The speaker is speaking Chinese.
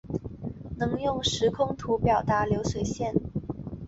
能够用时空图表达流水线